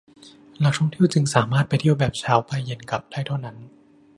นักท่องเที่ยวจึงสามารถไปเที่ยวแบบเช้าไปเย็นกลับได้เท่านั้น